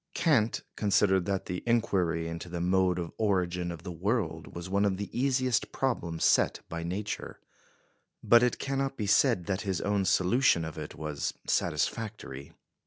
Kant considered that the inquiry into the mode of origin of the world was one of the easiest problems set by Nature; but it cannot be said that his own solution of it was satisfactory.